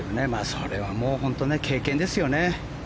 それはもう本当、経験ですよね。